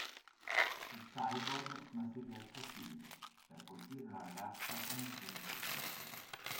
Il cyborg ma si rialzò subito per colpire la ragazza con un pugno fortissimo.